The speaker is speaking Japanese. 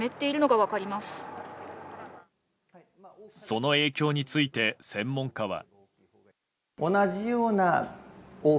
その影響について専門家は。